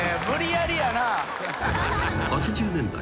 ［８０年代。